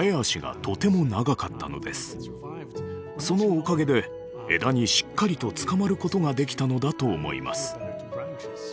そのおかげで枝にしっかりとつかまることができたのだと思います。